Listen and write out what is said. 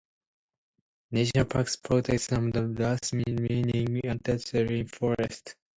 National parks protect some of the last remaining untouched rain forest.